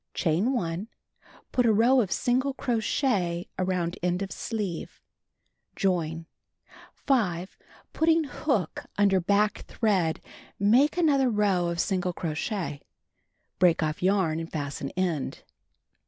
Chain 1. Put a row of single crochet around end of sleeve. Join. 5. Flitting hook under back thread, make another row of single crochet. Break off yarn and fasten end.